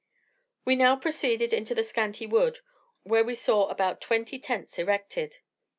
We now proceeded into the scanty wood, where we saw about twenty tents erected.